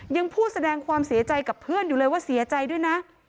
ยังพูดแสดงความเสียใจกับเพื่อนอยู่เลยว่าเสียใจด้วยนะ